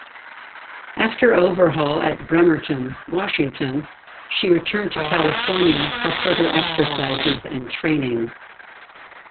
After overhaul at Bremerton, Washington, she returned to California for further exercises and training.